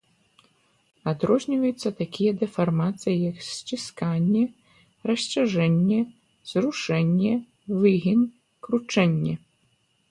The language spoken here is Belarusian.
Адрозніваюць такія дэфармацыі, як сцісканне, расцяжэнне, зрушэнне, выгін, кручэнне.